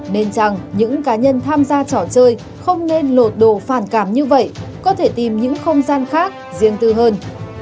nên rằng những cá nhân tham gia trò chơi không nên lột đồ phản cảm như vậy có thể tìm những không gian khác riêng tư hơn